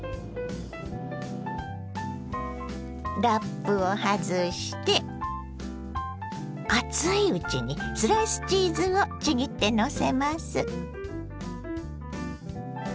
ラップを外して熱いうちにスライスチーズをちぎってのせます。